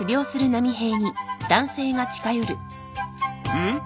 うん？